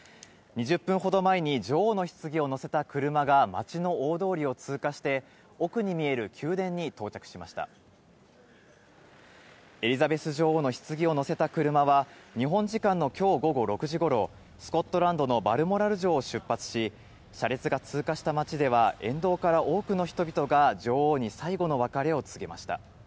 ２０分ほど前に、女王のひつぎを乗せた車が街の大通りを通過して、奥に見える宮殿にエリザベス女王のひつぎを乗せた車は、日本時間のきょう午後６時ごろ、スコットランドのバルモラル城を出発し、車列が通過した町では、沿道から多くの人々が女王に最後の別れを告げました。